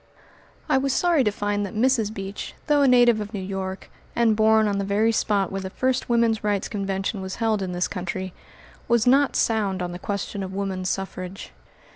I was sorry to find that Mrs. Beach, though a native of New York, and born on the very spot where the first woman's rights convention was held in this country, was not sound on the question of woman suffrage.